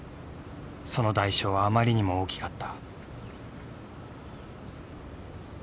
その代償はあまりにも大きかった。